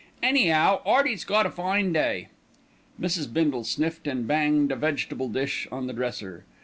"Any'ow, 'Earty's got a fine day." Mrs. Bindle sniffed and banged a vegetable dish on the dresser.